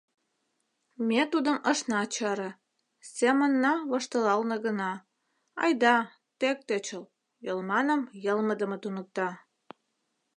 Ме тудым ышна чаре, семынна воштылална гына: «Айда, тек тӧчыл, йылманым йылмыдыме туныкта.